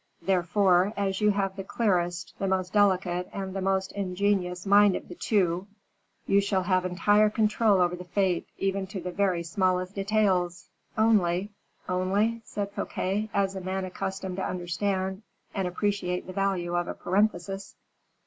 Therefore, as you have the clearest, the most delicate, and the most ingenious mind of the two, you shall have entire control over the fete, even to the very smallest details. Only " "Only?" said Fouquet, as a man accustomed to understand and appreciate the value of a parenthesis.